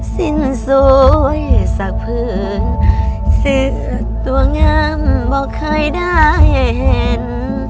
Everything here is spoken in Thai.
สิทธิ์ตัวงามบอกเคยได้เห็น